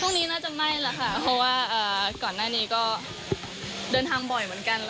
น่าจะไหม้แล้วค่ะเพราะว่าก่อนหน้านี้ก็เดินทางบ่อยเหมือนกัน